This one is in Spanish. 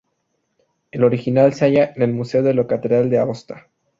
El original se halla en el museo de la catedral de Aosta.